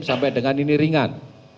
sampai dengan ini ringan